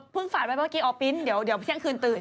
ฝันไว้เมื่อกี้อ๋อปิ๊นเดี๋ยวเที่ยงคืนตื่น